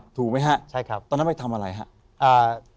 ถูกมั้ยหะตอนนั้นไปทำอะไรฮะ